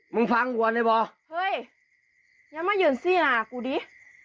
มึงฟังกูบอลได้ป่ะเฮ้ยยังมาหยุ่นสิน่ากูดิ